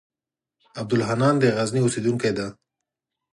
عبدالحنان د غزني اوسېدونکی دی.